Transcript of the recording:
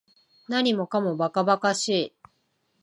何もかも馬鹿馬鹿しい